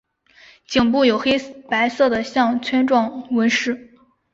颈部有黑白色的项圈状纹饰。